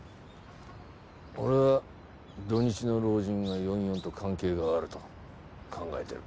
俺は「土日の老人」が４４と関係があると考えてる。